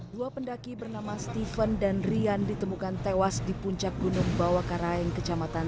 dua pendaki bernama steven dan rian ditemukan tewas di puncak gunung bawah karaeng kecamatan